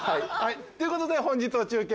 ということで本日の中継